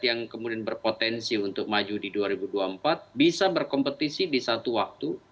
yang kemudian berpotensi untuk maju di dua ribu dua puluh empat bisa berkompetisi di satu waktu